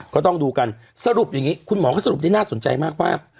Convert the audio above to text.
ก็ต้องดูกันสรุปอย่างนี้คุณหมอก็สรุปได้น่าสนใจมากว่า